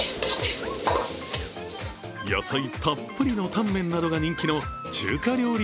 野菜たっぷりのタンメンなどが人気の中華料理